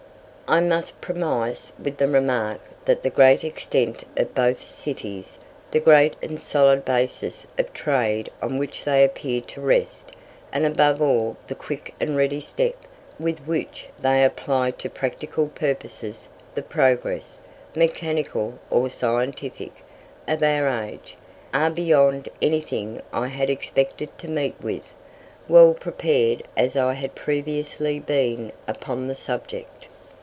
I must premise with the remark that the great extent of both cities, the great and solid basis of trade on which they appear to rest, and above all the quick and ready step with which they apply to practical purposes the progress, mechanical or scientific, of our age, are beyond anything I had expected to meet with, well prepared as I had previously been upon the subject.